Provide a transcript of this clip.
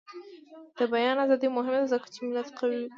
د بیان ازادي مهمه ده ځکه چې ملت قوي کوي.